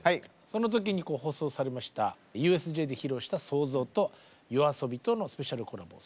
その時に放送されましたＵＳＪで披露した「創造」とＹＯＡＳＯＢＩとのスペシャルコラボ